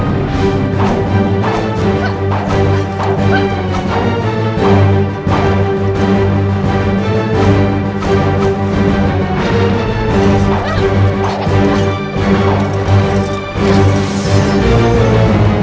aku akan menyesal karena tidak menjaga nisamu itu kak